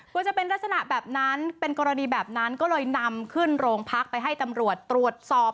ควรจะเป็นลักษณะแบบนั้นเป็นกรณีแบบนั้นก็เลยนำขึ้นโรงพักไปให้ตำรวจตรวจสอบ